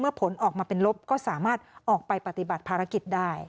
ผลออกมาเป็นลบก็สามารถออกไปปฏิบัติภารกิจได้